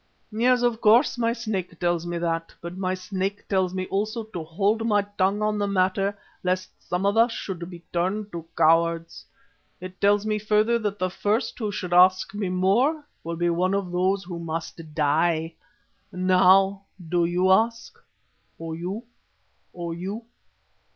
"Yes, of course my Snake tells me that. But my Snake tells me also to hold my tongue on the matter, lest some of us should be turned to cowards. It tells me further that the first who should ask me more, will be one of those who must die. Now do you ask? Or you? Or you?